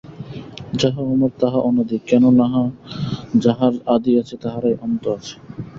যাহা অমর তাহা অনাদি, কেন না যাহার আদি আছে, তাহারই অন্ত আছে।